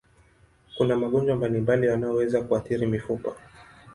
Kuna magonjwa mbalimbali yanayoweza kuathiri mifupa.